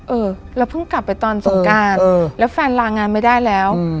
เออเราเพิ่งกลับไปตอนสงการแล้วแฟนลางานไม่ได้แล้ว